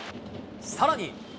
さらに。